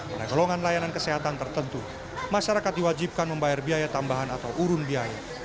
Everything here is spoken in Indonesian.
pada golongan layanan kesehatan tertentu masyarakat diwajibkan membayar biaya tambahan atau urun biaya